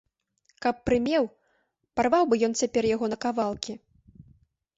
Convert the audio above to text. Каб прымеў, парваў бы ён цяпер яго на кавалкі.